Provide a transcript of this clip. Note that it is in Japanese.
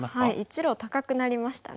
１路高くなりましたね。